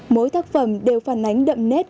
mỗi tác phẩm đều phản ánh đậm nét